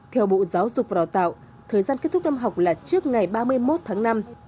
theo bộ giáo dục và đào tạo thời gian kết thúc năm học là trước ngày ba mươi một tháng năm